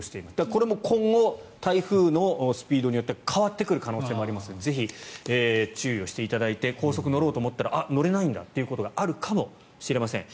これも今後台風のスピードによっては変わってくる可能性もありますのでぜひ、注意をしていただいて高速に乗ろうと思ったらあっ、乗れないんだっていうことがあるかもしれません。